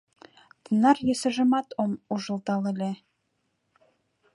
Тынар йӧсыжымат ом ужылдал ыле.